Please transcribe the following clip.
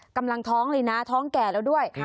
กำลังท้องเลยนะท้องแก่แล้วด้วย